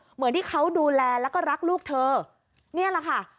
เหมือนที่เขาดูแลแล้วก็รักลูกเธอนี่แหละค่ะ